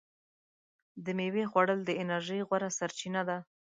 د میوې خوړل د انرژۍ غوره سرچینه ده.